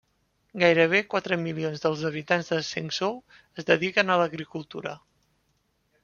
Gairebé quatre milions dels habitants de Zhengzhou es dediquen a l'agricultura.